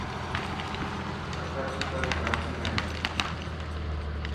قتر اسپتال ڪراچي ۾ هي.